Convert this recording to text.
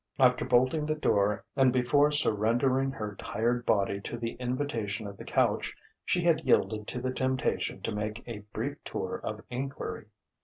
After bolting the door and before surrendering her tired body to the invitation of the couch, she had yielded to the temptation to make a brief tour of enquiry.